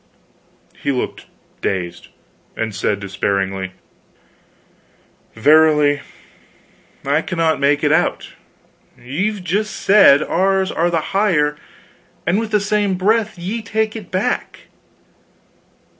He looked dazed, and said, despairingly: "Verily, I cannot make it out. Ye've just said ours are the higher, and with the same breath ye take it back."